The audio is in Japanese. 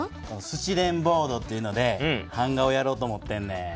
スチレンボードというので版画をやろうと思ってんねん。